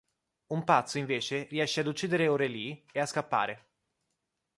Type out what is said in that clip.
Un pazzo invece riesce ad uccidere Aurélie, e a scappare.